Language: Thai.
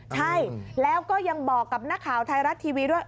ใช่แล้วก็ยังบอกกับนักข่าวไทยรัฐทีวีด้วย